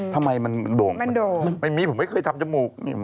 ทำไมมันโด่งไม่มีผมไม่เคยทำจมูก